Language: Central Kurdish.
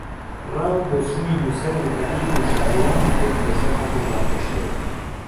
ڕاو بۆچوونی نووسەر و ئەدیب و شاعیرانی کورد لە سەر عەبدوڵڵا پەشێو